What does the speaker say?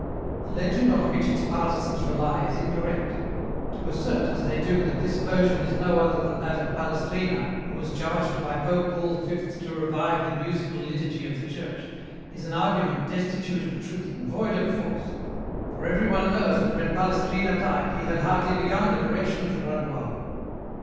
" The legend on which its partisans rely is incorrect. To assert, as they do, that this version is no other than that of Palestrina who was charged by Pope Paul V. to revive the musical liturgy of the Church, is an argument destitute of truth and void of force, for everyone knows that when Palestrina died, he had hardly begun the correction of the Gradual.